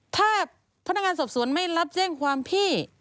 ถ้าพนักงานสอบสวนไม่รับแจ้งความพี่